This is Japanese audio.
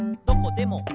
「どこでも」